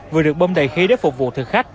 vừa được bông đầy khí để phục vụ